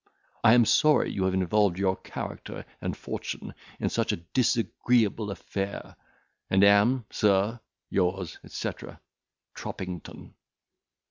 I am sorry you have involved your character and fortune in such a disagreeable affair, and am, Sir, yours, etc. TROMPINGTON."